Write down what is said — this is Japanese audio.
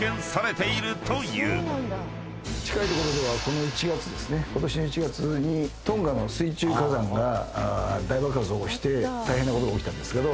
近いところではことしの１月にトンガの水中火山が大爆発を起こして大変なことが起きたんですけど。